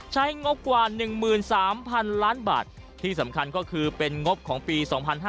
งบกว่า๑๓๐๐๐ล้านบาทที่สำคัญก็คือเป็นงบของปี๒๕๕๙